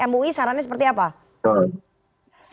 mui sarannya seperti apa